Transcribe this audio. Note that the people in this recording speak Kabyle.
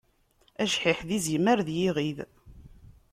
Ajḥiḥ d yizimer d yiɣid.